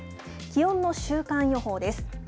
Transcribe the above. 気温の週間予報です。